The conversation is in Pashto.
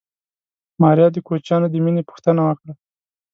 ماريا د کوچيانو د مېنې پوښتنه وکړه.